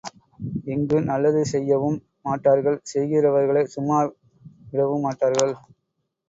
இங்கு நல்லது செய்யவும் மாட்டார்கள் செய்கிறவர்களை சும்மா விடவும்மாட்டார்கள்.